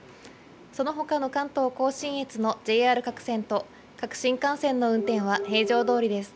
そのほかの関東甲信越のＪＲ各線と、各新幹線の運転は平常どおりです。